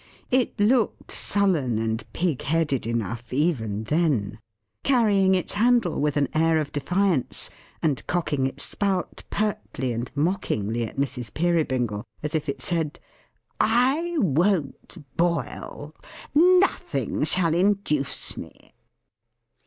It looked sullen and pig headed enough, even then; carrying its handle with an air of defiance, and cocking its spout pertly and mockingly at Mrs. Peerybingle, as if it said, "I won't boil. Nothing shall induce me!"